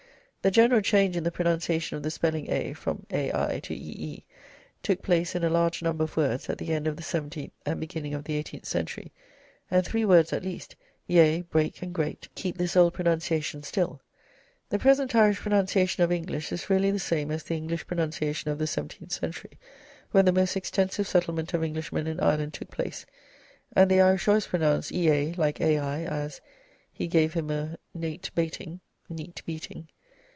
The general change in the pronunciation of the spelling 'ea' from 'ai' to 'ee' took place in a large number of words at the end of the seventeenth and beginning of the eighteenth century, and three words at least (yea, break, and great) keep this old pronunciation still. The present Irish pronunciation of English is really the same as the English pronunciation of the seventeenth century, when the most extensive settlement of Englishmen in Ireland took place, and the Irish always pronounce ea like ai (as, He gave him a nate bating neat beating).